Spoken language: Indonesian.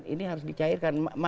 ini harus dicairkan